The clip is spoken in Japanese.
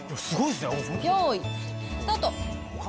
ようい、スタート。